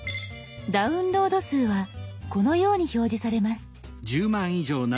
「ダウンロード数」はこのように表示されます。